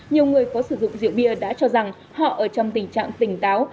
nhiều người có sử dụng rượu bia đã cho rằng họ ở trong tình trạng tỉnh táo